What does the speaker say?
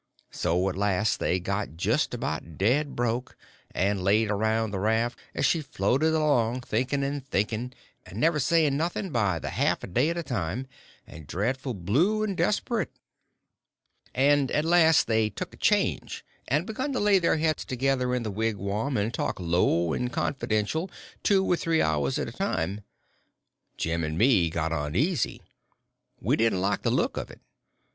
So at last they got just about dead broke, and laid around the raft as she floated along, thinking and thinking, and never saying nothing, by the half a day at a time, and dreadful blue and desperate. And at last they took a change and begun to lay their heads together in the wigwam and talk low and confidential two or three hours at a time. Jim and me got uneasy. We didn't like the look of it.